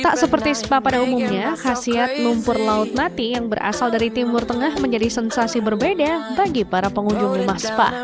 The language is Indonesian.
tak seperti spa pada umumnya khasiat lumpur laut mati yang berasal dari timur tengah menjadi sensasi berbeda bagi para pengunjung rumah spa